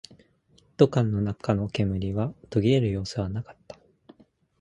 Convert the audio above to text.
一斗缶の中の煙は途切れる様子はなかった